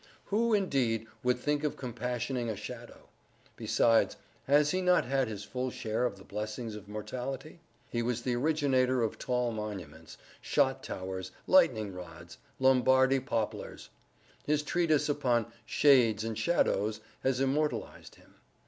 Who indeed would think of compassioning a shadow? Besides, has he not had his full share of the blessings of mortality? He was the originator of tall monuments—shot towers—lightning rods—Lombardy poplars. His treatise upon "Shades and Shadows" has immortalized him.